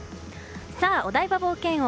さあ、お台場冒険王